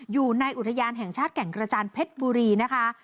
อยู่ในอุทยานแห่งชาติแก่งกระจานเพชรบุรีนะคะ